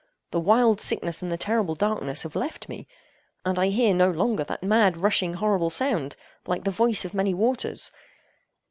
The wild sickness and the terrible darkness have left me, and I hear no longer that mad, rushing, horrible sound, like the "voice of many waters."